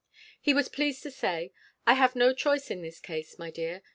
He was pleased to say, "I have no choice in this case, my dear.